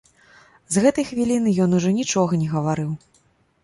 З гэтай хвіліны ён ужо нічога не гаварыў.